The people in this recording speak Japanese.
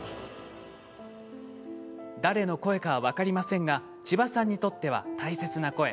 誰の声かは分かりませんが千葉さんにとっては大切な声。